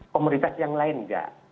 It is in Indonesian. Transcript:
komoditas yang lain enggak